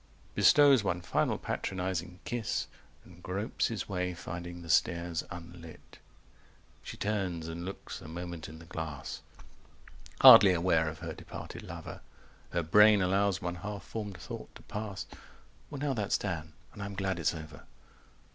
Bestows one final patronizing kiss, And gropes his way, finding the stairs unlit… She turns and looks a moment in the glass, Hardly aware of her departed lover; 250 Her brain allows one half formed thought to pass: "Well now that's done: and I'm glad it's over."